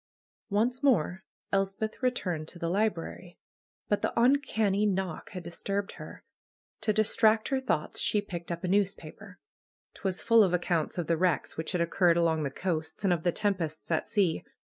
Once more Elspeth returned to the library. But the uncanny knock had disturbed her. To distract her THE KNELL OF NAT PAGAN 127 thoughts, she picked up a newspaper. Twas full of accounts of the wrecks which had occurred along the coasts, and of the tempests at sea.